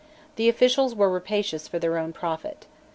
The officials were rapacious for their own profit.